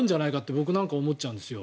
僕なんかは思っちゃうんですよ。